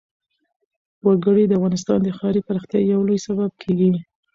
وګړي د افغانستان د ښاري پراختیا یو لوی سبب کېږي.